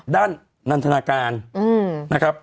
ด้านนันทนาการนะครับ